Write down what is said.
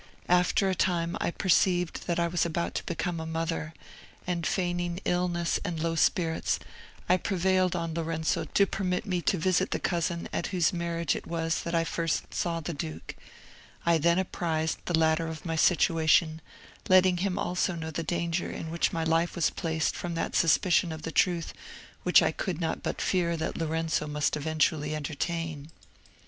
After a time I perceived that I was about to become a mother, and feigning illness and low spirits, I prevailed on Lorenzo to permit me to visit the cousin at whose marriage it was that I first saw the duke; I then apprised the latter of my situation, letting him also know the danger in which my life was placed from that suspicion of the truth which I could not but fear that Lorenzo must eventually entertain.